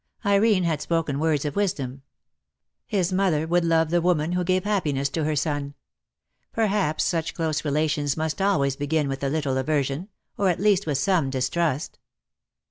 Irene had spoken words of wisdom. His mother would love the woman who gave happiness to her son. Perhaps such close re lations must always begin mth a little aversion, or at least with some distrust.